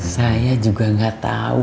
saya juga gak tau